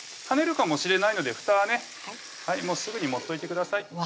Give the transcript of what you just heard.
跳ねるかもしれないのでふたはすぐに持っといてください